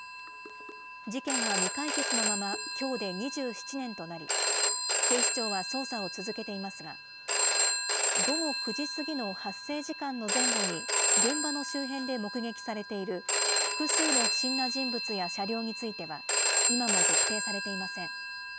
事件は未解決のままきょうで２７年となり、警視庁は捜査を続けていますが、午後９時過ぎの発生時間の前後に現場の周辺で目撃されている複数の不審な人物や車両については、今も特定されていません。